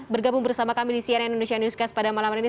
bergabung bersama kami di cnn indonesia newscast pada malam ini